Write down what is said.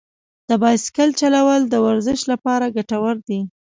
د بایسکل چلول د ورزش لپاره ګټور دي.